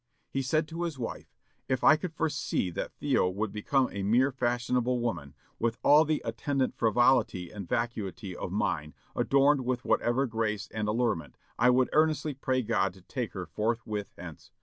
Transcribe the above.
He said to his wife, "If I could foresee that Theo would become a mere fashionable woman, with all the attendant frivolity and vacuity of mind, adorned with whatever grace and allurement, I would earnestly pray God to take her forthwith hence.